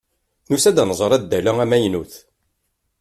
Nusa-d ad nẓer addal-a amaynut.